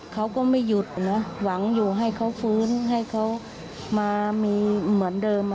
เค้าก็ไม่หยุดเหหรอหวังอยู่ให้เค้าฟื้นให้เค้ามีเหมือนเดิม